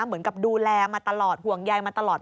เหมือนกับดูแลมาตลอดห่วงใยมาตลอด